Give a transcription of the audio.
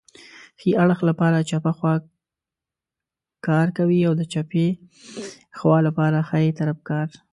ښي اړخ لپاره چپه خواکار کوي او د چپې خوا لپاره ښی طرف کار